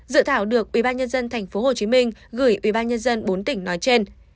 dự thảo được ubnd tp hcm gửi ubnd bốn tỉnh nói trên